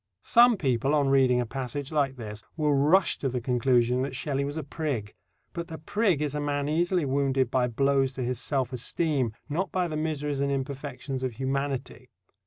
Some people, on reading a passage like this, will rush to the conclusion that Shelley was a prig. But the prig is a man easily wounded by blows to his self esteem, not by the miseries and imperfections of humanity.